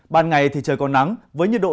ban ngày thì trời còn nắng với nhiệt độ